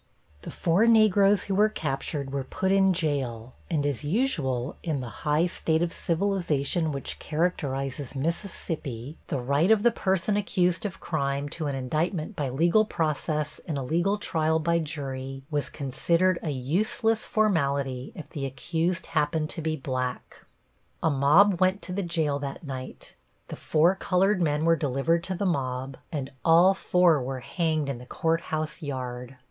The four negroes who were captured were put in jail, and as usual, in the high state of civilization which characterizes Mississippi, the right of the person accused of crime to an indictment by legal process and a legal trial by jury was considered an useless formality if the accused happened to be black. A mob went to the jail that night, the four colored men were delivered to the mob, and all four were hanged in the court house yard.